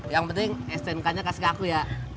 yang penting stnk nya kasih aku ya